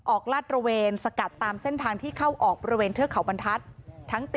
ลาดระเวนสกัดตามเส้นทางที่เข้าออกบริเวณเทือกเขาบรรทัศน์